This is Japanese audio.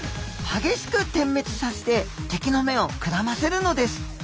激しく点滅させて敵の目をくらませるのです。